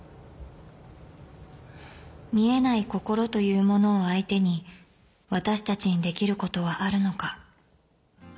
［見えない心というものを相手に私たちにできることはあるのか］